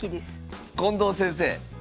近藤先生。